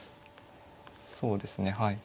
そうですねはい。